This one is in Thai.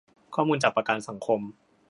ข้อมูลจากประกันสังคม